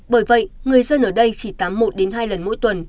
bởi vậy người dân ở đây chỉ tắm một đến hai lần